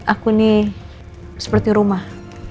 aku ini seperti rumah